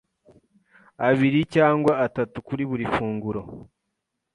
abiri cyangwa atatu kuri buri funguro,